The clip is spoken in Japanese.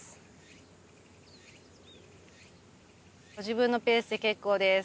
自分のペースで結構です。